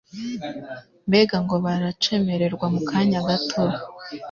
Mbega ngo baracemererwa mu kanya gato